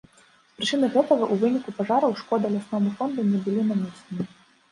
З прычыны гэтага, у выніку пажараў шкода лясному фонду не былі нанесены.